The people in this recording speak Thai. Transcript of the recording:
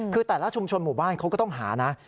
คือแต่ละชุมชนหมู่บ้านเขาก็ต้องหานะ